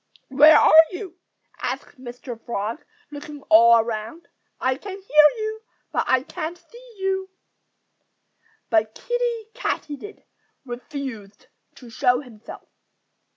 "Where are you?" asked Mr. Frog, looking all around. "I can hear you, but I can't see you." But Kiddie Katydid refused to show himself.